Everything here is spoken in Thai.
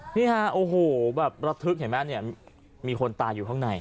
นี่ครับโอ้โหแบบระทึกเห็นไหมมีคนตายอยู่ข้างใน